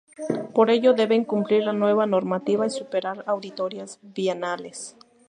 Por ello deben cumplir la nueva normativa y superar auditorías bienales.